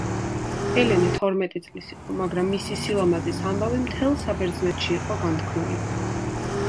ელენე თორმეტი წლის იყო, მაგრამ მისი სილამაზის ამბავი მთელ საბერძნეთში იყო განთქმული.